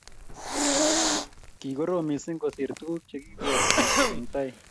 Kikoroom mising kosir tuk che kikibwotitoi eng tai